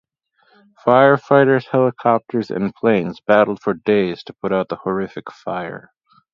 Firefighters, helicopters and planes battled for days to put out the horrific fire.